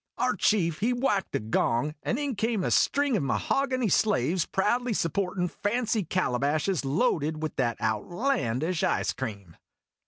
Our chief he whacked a gong, and in came a string of mahog any slaves proudly supportin' fancy calabashes loaded with that outlandish ice cream.